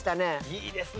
いいですね！